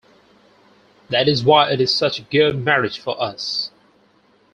That is why it is such a good marriage for us.